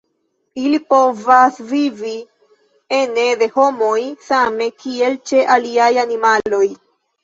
Ili povas vivi ene de homoj same kiel ĉe aliaj animaloj.